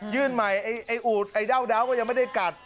ยื่นใหม่ไอ้อูดไอ้เดางเดางยังไม่ได้กัด